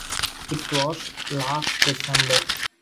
It was last December.